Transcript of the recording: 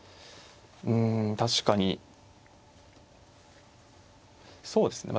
うん確かにそうですね